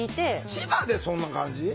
千葉でそんな感じ？